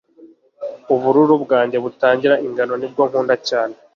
ubururu bwanjye butagira ingano nibwo nkunda cyane